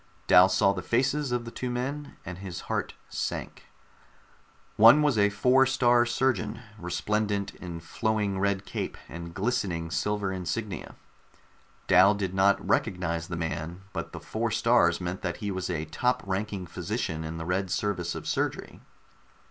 Dal saw the faces of the two men, and his heart sank. One was a Four star Surgeon, resplendent in flowing red cape and glistening silver insignia. Dal did not recognize the man, but the four stars meant that he was a top ranking physician in the Red Service of Surgery.